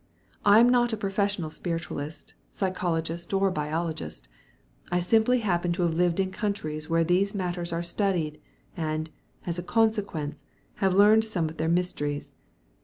I am not a professional spiritualist, psychologist, or biologist. I simply happen to have lived in countries where these matters are studied, and, as a consequence, have learned some of their mysteries.